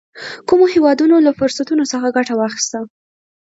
کومو هېوادونو له فرصتونو څخه ګټه واخیسته.